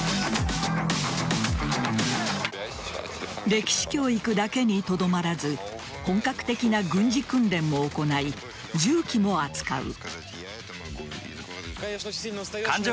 歴史教育だけにとどまらず本格的な軍事訓練も行い銃器も扱う。